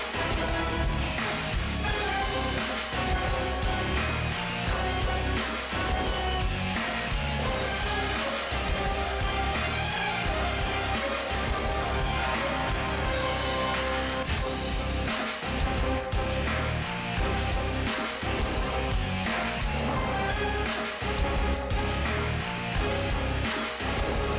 โปรดติดตามตอนต่อไป